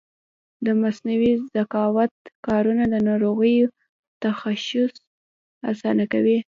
د مصنوعي ذکاوت کارونه د ناروغیو تشخیص اسانه کوي.